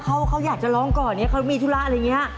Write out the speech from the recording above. เขาอยากจะร้องก่อนเนี่ยเขามีธุระอะไรอย่างนี้